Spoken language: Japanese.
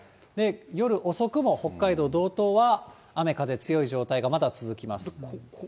夜遅くも、北海道道東は雨風強い状態がまだ続きます。